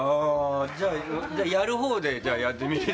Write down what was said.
じゃあ、やるほうでやってみて。